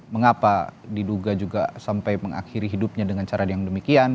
mengapa diduga juga sampai mengakhiri hidupnya dengan cara yang demikian